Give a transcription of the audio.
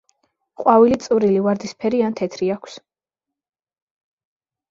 ყვავილი წვრილი, ვარდისფერი ან თეთრი აქვს.